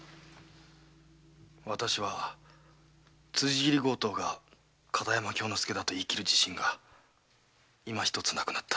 私は辻斬り強盗が片山京之介だと言い切る自信がいまひとつなくなった。